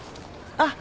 あっ。